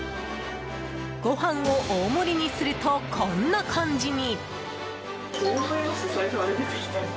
ご飯を大盛りにするとこんな感じに。